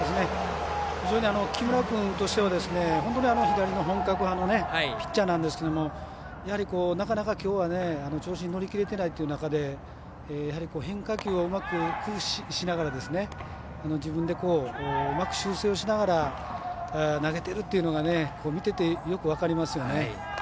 非常に木村君としては本当に左の本格派のピッチャーなんですけどなかなか、きょうは調子に乗り切れてないという中で変化球をうまく駆使しながら自分でうまく修正をしながら投げているっていうのが見ててよく分かりますよね。